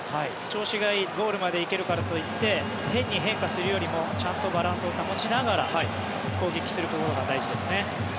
調子がいいゴールまで行けるからといって変に変化するよりもちゃんとバランスを保ちながら攻撃することが大事ですね。